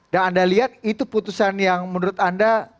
dan anda lihat itu putusan yang menurut anda